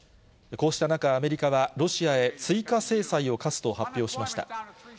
こうした中、アメリカはロシアへ追加制裁を科すと発表しました。